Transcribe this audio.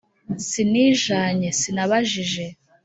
sinijanye, sinabajije